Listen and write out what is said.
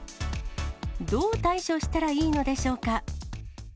どう対処したらいいのでしょうか。